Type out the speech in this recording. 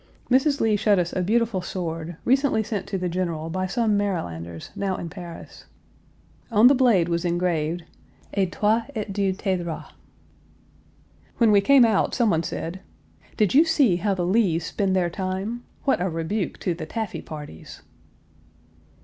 Mrs. Lee showed us a beautiful sword, recently sent to the General by some Marylanders, Page 293 now in Paris. On the blade was engraved, "Aide toi et Dieu t'aidera." When we came out someone said, "Did you see how the Lees spend their time? What a rebuke to the taffy parties!"